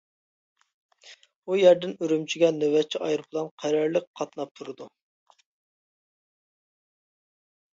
ئۇ يەردىن ئۈرۈمچىگە نۆۋەتچى ئايروپىلان قەرەللىك قاتناپ تۇرىدۇ.